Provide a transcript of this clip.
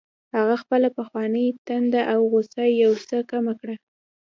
هغه خپله پخوانۍ تنده او غوسه یو څه کمه کړه